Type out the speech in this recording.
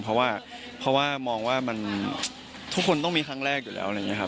เพราะว่าเพราะว่ามองว่ามันทุกคนต้องมีครั้งแรกอยู่แล้วอะไรอย่างนี้ครับ